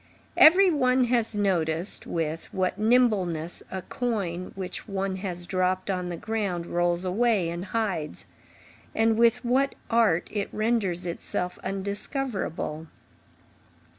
Every one has noticed with what nimbleness a coin which one has dropped on the ground rolls away and hides, and with what art it renders itself undiscoverable.